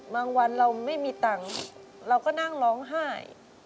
วันเราไม่มีตังค์เราก็นั่งร้องไห้